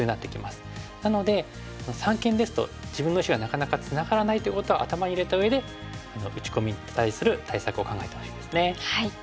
なので三間ですと自分の石がなかなかツナがらないということは頭に入れたうえで打ち込みに対する対策を考えてほしいですね。